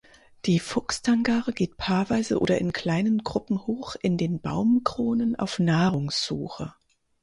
Die Fuchstangare geht paarweise oder in kleinen Gruppen hoch in den Baumkronen auf Nahrungssuche.